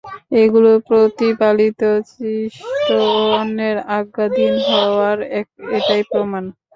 এগুলো প্রতিপালিত, সৃষ্ট ও অন্যের আজ্ঞাধীন হওয়ার এটাই প্রমাণ।